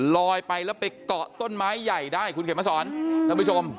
ลอยไปแล้วไปเกาะต้นไม้ใหญ่ได้คุณเข็มมาสอนท่านผู้ชม